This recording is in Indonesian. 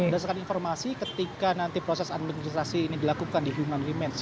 ya kita saksikan informasi ketika nanti proses administrasi ini dilakukan di human demands